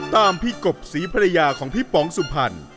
ตามพี่กบศรีภรรยาของพี่ป๋องสุพรรณ